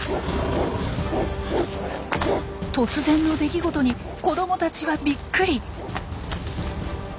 突然の出来事に子どもたちはびっくり。